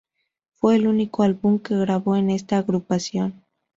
Fue el único álbum que grabó con esta agrupación.